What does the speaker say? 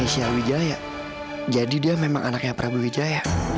indonesia wijaya jadi dia memang anaknya prabu wijaya